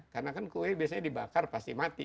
karena kan kue biasanya dibakar pasti mati